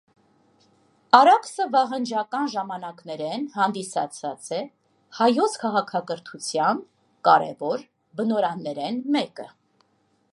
Արաքսը վաղնջական ժամանակներէն հանդիսացած է հայոց քաղաքակրթութեան կարեւոր բնօրրաններէն մէկը։